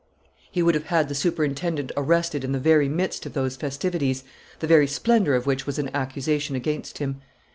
He would have had the superintendent arrested in the very midst of those festivities, the very splendor of which was an accusation against him.